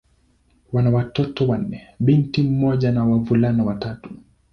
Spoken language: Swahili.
Wana watoto wanne: binti mmoja na wavulana watatu.